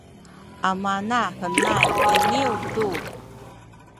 amanahenay iniyu tu